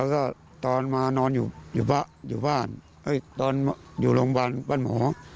แล้วก็ตอนมานอนอยู่บ้านตอนอยู่โรงพยาบาลบ้านหมอ